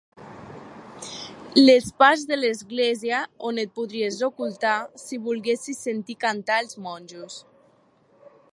Les parts de l'església on et podries ocultar si volguessis sentir cantar els monjos.